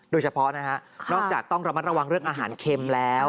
โดยเฉพาะนะฮะนอกจากต้องระมัดระวังเรื่องอาหารเค็มแล้ว